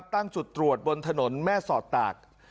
ตั้งจุดตรวจบนถนนแม่สอดตาก